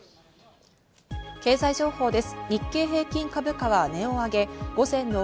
経済情報です。